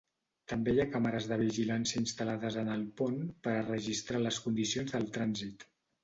També hi ha càmeres de vigilància instal·lades en el pont per a registrar les condicions del trànsit.